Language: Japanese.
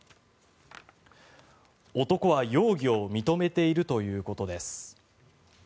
男は容疑を認めているということです。